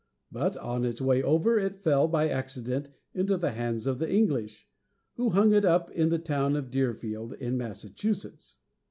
But on its way over, it fell, by accident, into the hands of the English, who hung it up in the town of Deerfield, in Massachusetts.